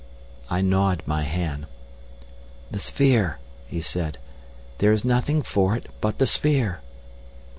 I gnawed my hand. "The sphere!" he said. "There is nothing for it but the sphere."